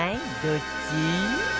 どっち？